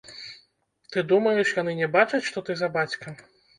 Ты думаеш, яны не бачаць, што ты за бацька?